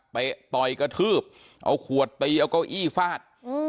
ต่อยกระทืบเอาขวดตีเอาเก้าอี้ฟาด